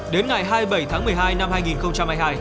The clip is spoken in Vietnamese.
đến ngày hai mươi bảy tháng một mươi hai năm hai nghìn hai mươi hai